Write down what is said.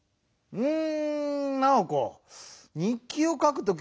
うん。